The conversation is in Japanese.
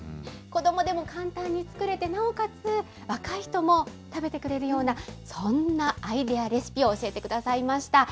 子どもでも簡単に作れてなおかつ、若い人も食べてくれるような、そんなアイデアレシピを教えてくださいました。